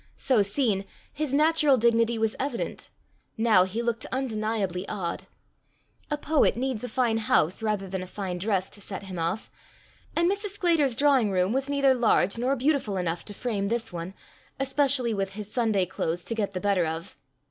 So seen, his natural dignity was evident; now he looked undeniably odd. A poet needs a fine house rather than a fine dress to set him off, and Mrs. Sclater's drawing room was neither large nor beautiful enough to frame this one, especially with his Sunday clothes to get the better of.